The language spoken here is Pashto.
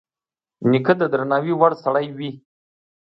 نیکه د درناوي وړ سړی وي.